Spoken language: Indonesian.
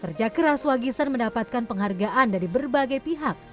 kerja keras wagisan mendapatkan penghargaan dari berbagai pihak